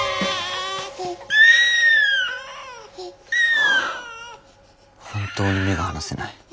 はあ本当に目が離せない。